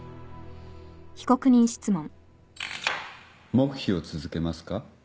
黙秘を続けますか。